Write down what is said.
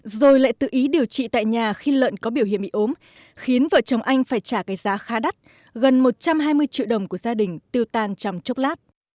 rồi lại tự ý điều trị tại nhà khi lợn có biểu hiện bị ốm khiến vợ chồng anh phải trả cái giá khá đắt gần một trăm hai mươi triệu đồng của gia đình tiêu tan trong chốc lát